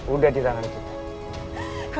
udah di tangan kita